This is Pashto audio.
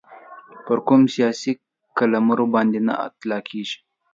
پر کوم سیاسي قلمرو باندي نه اطلاقیږي.